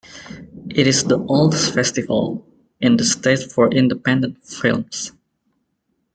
It is the oldest festival in the state for independent films.